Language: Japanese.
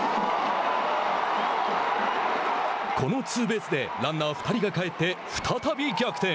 このツーベースでランナー２人が帰って再び逆転。